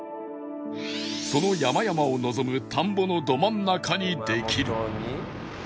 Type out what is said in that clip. その山々を望む田んぼのど真ん中にできる